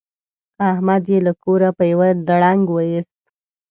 احمد يې له کوره په يوه دړدنګ ویوست.